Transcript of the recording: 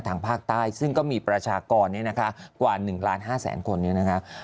ทางภาคใต้ซึ่งก็มีประชากรเนี่ยนะคะกว่า๑ล้าน๕แสนคนนี้นะคะ